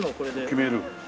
決める。